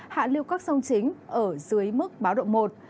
hạ lưu các sông chính ở dưới mức báo động một